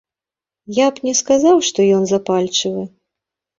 Я б не сказаў, што ён запальчывы.